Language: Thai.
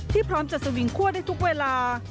พร้อมจะสวิงคั่วได้ทุกเวลา